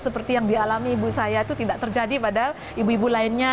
seperti yang dialami ibu saya itu tidak terjadi pada ibu ibu lainnya